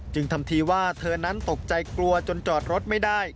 ทำทีว่าเธอนั้นตกใจกลัวจนจอดรถไม่ได้